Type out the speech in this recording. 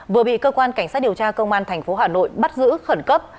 vừa bị cơ quan cảnh sát điều tra công an thành phố hà nội bắt giữ khẩn cấp